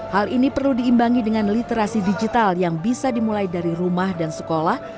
hal ini perlu diimbangi dengan literasi digital yang bisa dimulai dari rumah dan sekolah